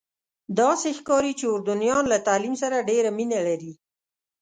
داسې ښکاري چې اردنیان له تعلیم سره ډېره مینه لري.